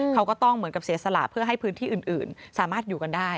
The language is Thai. เขาก็ต้องเหมือนกับเสียสละเพื่อให้พื้นที่อื่นสามารถอยู่กันได้